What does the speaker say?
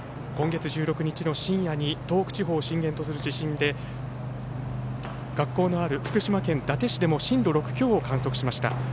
今月１６日の深夜に東北地方を震源とする地震で学校のある福島県伊達市でも震度６強を観測しました。